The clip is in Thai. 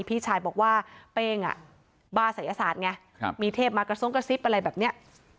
พี่ชายบอกว่าเป้งอ่ะบ้าศัยศาสตร์ไงมีเทพมากระทรงกระซิบอะไรแบบนี้